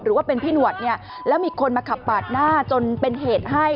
หรือว่าเป็นพี่หนวดเนี่ยแล้วมีคนมาขับปาดหน้าจนเป็นเหตุให้